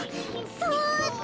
そっと。